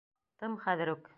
Тым хәҙер үк!